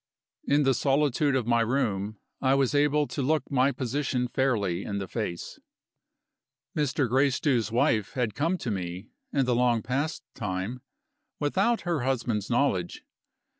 In the solitude of my room, I was able to look my position fairly in the face. Mr. Gracedieu's wife had come to me, in the long past time, without her husband's knowledge.